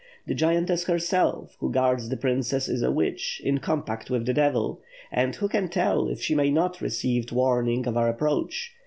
The giantess herself, who guards the princess, is a witch, in compact with the devil; and who can tell if she may not have received warning of our approach.